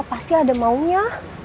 pasti ada maunya